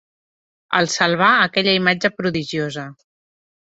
Els salvà aquella imatge prodigiosa.